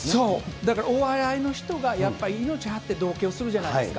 だからお笑いの人がやっぱり命張って道化をするじゃないですか。